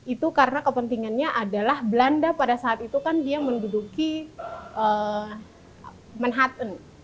itu karena kepentingannya adalah belanda pada saat itu kan dia menduduki manhattan